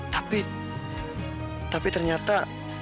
tapi tapi ternyata